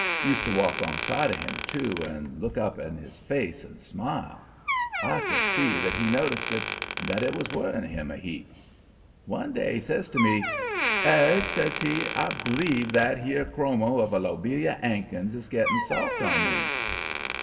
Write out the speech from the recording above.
Used to walk 'longside of him, too, and look up in his face and smile. I could see that he noticed it and that it was worrying him a heap. One day he says to me: "''Edge,' says he, 'I b'lieve that 'ere chromo of a Lobelia 'Ankins is getting soft on me.'